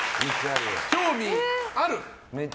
興味ある？